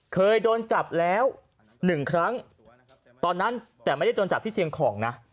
เคยโดนจับแล้วหนึ่งครั้งตอนนั้นแต่ไม่ได้โดนจับที่เชียงของนะ